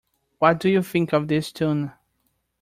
What do you think of this Tune?